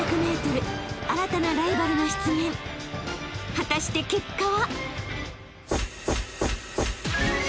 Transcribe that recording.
［果たして結果は？］